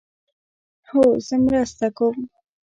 هو، زه مرسته کوم